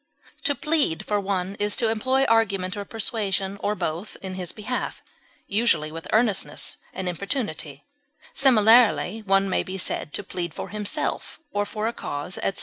To plead for one is to employ argument or persuasion, or both in his behalf, usually with earnestness or importunity; similarly one may be said to plead for himself or for a cause, etc.